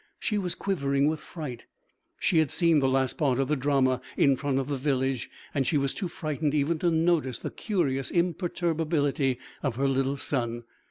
She was quivering with fright. She had seen the last part of the drama in front of the village; and she was too frightened even to notice the curious imperturbability of her little son.